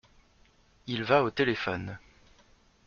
Il va au téléphone.